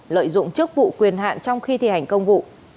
lợi dụng chức vụ quyền hạn trong khi thi hành công vụ